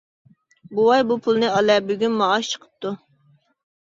بوۋاي-بۇ پۇلنى ئالە، بۈگۈن مائاش چىقىپتۇ.